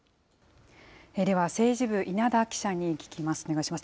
では政治部、稲田記者に聞きます。